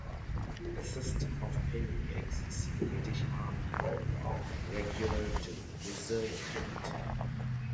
A system of pairing exists in the British Army of Regular to Reserve unit.